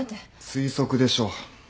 推測でしょう？